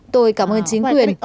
tôi cảm ơn chính quyền